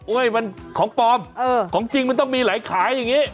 มันของปลอมของจริงมันต้องมีหลายขายอย่างนี้